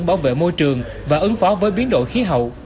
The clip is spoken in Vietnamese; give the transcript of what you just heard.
bảo vệ môi trường và ứng phó với biến đổi khí hậu